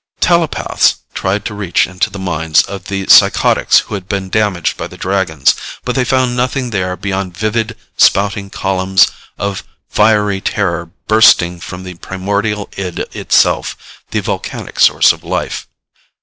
Telepaths tried to reach into the minds of the psychotics who had been damaged by the Dragons, but they found nothing there beyond vivid spouting columns of fiery terror bursting from the primordial id itself, the volcanic source of life.